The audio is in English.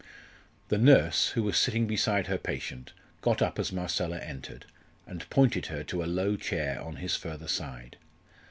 The nurse, who was sitting beside her patient, got up as Marcella entered, and pointed her to a low chair on his further side.